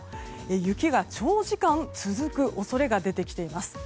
雪が長時間続く恐れが出てきています。